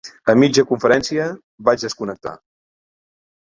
A mitja conferència, vaig desconnectar.